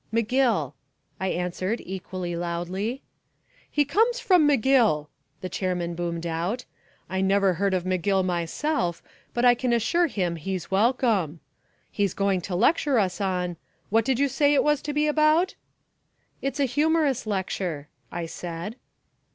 "McGill," I answered equally loudly. "He comes from McGill," the chairman boomed out. "I never heard of McGill myself but I can assure him he's welcome. He's going to lecture to us on, what did you say it was to be about?" "It's a humorous lecture," I said.